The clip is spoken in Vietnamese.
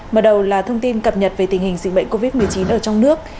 mở đầu là thông tin cập nhật về tình hình dịch bệnh covid một mươi chín ở trong nước